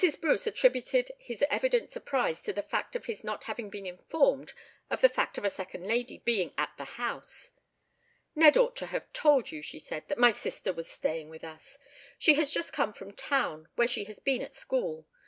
Bruce attributed his evident surprise to the fact of his not having been informed of the fact of a second lady being at the house. "Ned ought to have told you," she said, "that my sister was staying with us. She has just come from town, where she has been at school.